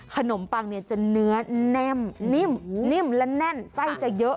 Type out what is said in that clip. ปังเนี่ยจะเนื้อแน่นิ่มและแน่นไส้จะเยอะ